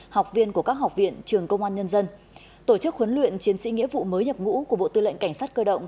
học viên của các học viện trường công an nhân dân tổ chức huấn luyện chiến sĩ nghĩa vụ mới nhập ngũ của bộ tư lệnh cảnh sát cơ động